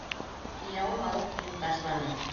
Кейәүем алып килеп ташланы!